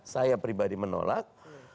saya pribadi menolak